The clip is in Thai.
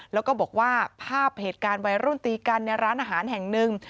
แล้วก็บอกว่าภาพเหตุการณ์วัยรุ่นตีกันในร้านอาหารแห่งหนึ่ง